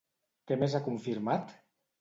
Què més ha confirmat?